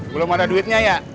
belum ada duitnya ya